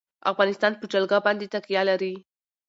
افغانستان په جلګه باندې تکیه لري.